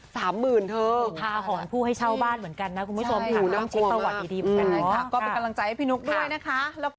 แค่ฆ่าคุณผู้เช่าบ้านเหมือนกันนะคุณผู้ชมคงต้อนกลัวใจพี่นุ๊กด้วยนะ